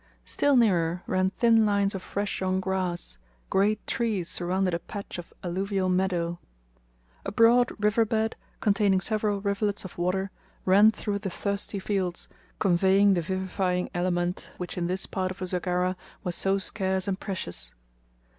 Still nearer ran thin lines of fresh young grass, great trees surrounded a patch of alluvial meadow. A broad river bed, containing several rivulets of water, ran through the thirsty fields, conveying the vivifying element which in this part of Usagara was so scarce and precious.